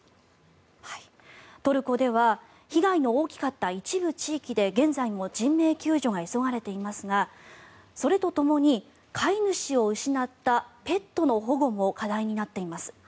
トルコでは被害の大きかった一部地域で現在も人命救助が急がれていますがそれとともに飼い主を失ったペットの保護も課題になっています。